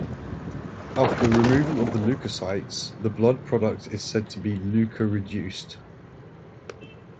After the removal of the leukocytes, the blood product is said to be "leukoreduced".